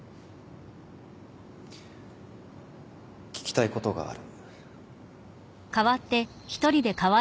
聞きたいことがある。